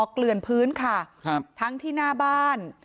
เกลือนพื้นค่ะทั้งที่หน้าบ้าน